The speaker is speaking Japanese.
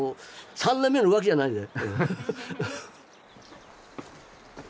「３年目の浮気」じゃないで。